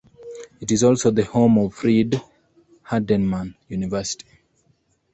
It is also the home of Freed-Hardeman University.